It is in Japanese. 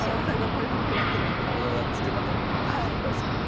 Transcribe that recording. これのやっつけ方をね紹介するんで。